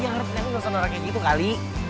harusnya lu gak usah narakin gitu kali